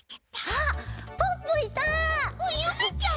あっゆめちゃん！